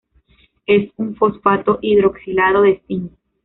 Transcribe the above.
Es un fosfato hidroxilado de cinc.